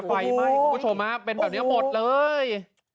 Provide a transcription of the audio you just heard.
ไฟไหม้คุณผู้ชมฮะเป็นแบบนี้หมดเลย